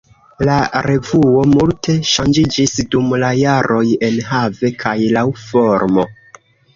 La revuo multe ŝanĝiĝis dum la jaroj enhave kaj laŭ formo.